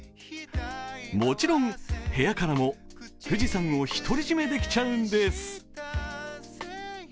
もちろん部屋からも富士山を独り占めできちゃうんです。